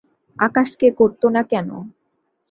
আকাশকে করত না কেন?